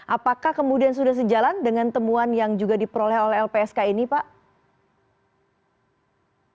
apakah kemudian sudah sejalan dengan temuan yang juga diperoleh oleh lpsk ini pak